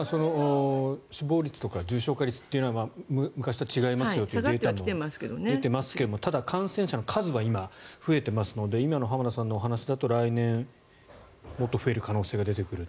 死亡率とか重症化率というのは昔と違いますよというデータも出ていますがただ、感染者の数は今増えていますので今の浜田さんのお話だと来年もっと増える可能性が出てくると。